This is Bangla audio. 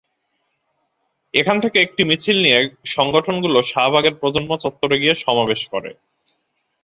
এখান থেকে একটি মিছিল নিয়ে সংগঠনগুলো শাহবাগের প্রজন্ম চত্বরে গিয়ে সমাবেশ করে।